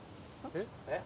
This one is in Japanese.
えっ？